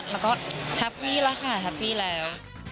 แล้วก็แฮปปี้แล้วค่ะแฮปปี้แล้ว